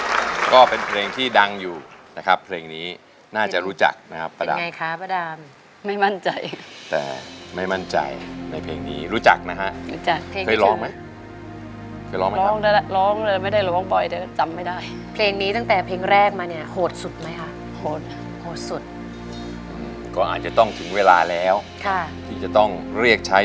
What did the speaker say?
กินโทรเพลงที่สี่มูลค่าหกหมื่นบาทมาเลยครับ